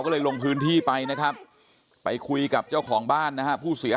ก็เลยลงพื้นที่ไปนะครับไปคุยกับเจ้าของบ้านนะฮะผู้เสีย